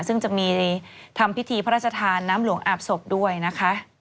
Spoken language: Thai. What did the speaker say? ซึ่งจะมีทำพิธีพระราชทานน้ำหลวงอาบศพด้วยนะคะ